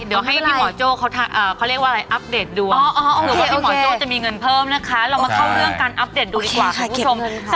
เดี๋ยวให้พี่หมอโจ้เขาเรียกว่าอะไรอัปเดตดวงเผื่อว่าพี่หมอโจ้จะมีเงินเพิ่มนะคะเรามาเข้าเรื่องการอัปเดตดูดีกว่าคุณผู้ชม